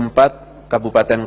berubah menjadi kota yang tertinggi